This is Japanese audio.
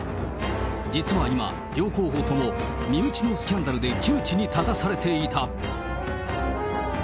実は今、両候補とも、身内のスキャンダルで窮地に立たされていた。